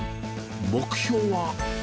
目標は？